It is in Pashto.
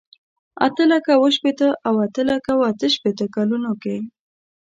اته لکه اوه شپېته او اته لکه اته شپېته کلونو کې.